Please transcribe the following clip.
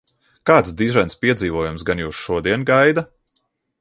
Kāds dižens piedzīvojums gan jūs šodien gaida?